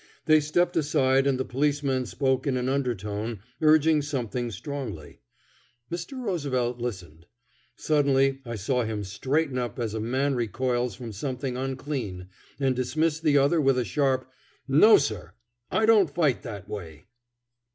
They stepped aside and the policeman spoke in an undertone, urging something strongly. Mr. Roosevelt listened. Suddenly I saw him straighten up as a man recoils from something unclean and dismiss the other with a sharp: "No, sir! I don't fight that way."